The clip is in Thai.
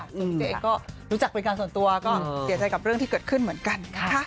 พี่เจ๊เองรู้จักปริการส่วนตัวก็เศรียรณีกับเรื่องที่เกิดขึ้นเหมือนกัน